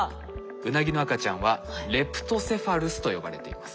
ウナギの赤ちゃんは「レプトセファルス」と呼ばれています。